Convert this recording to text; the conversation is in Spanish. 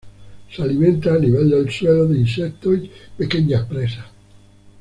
Se alimenta a nivel del suelo de insectos y pequeñas presas.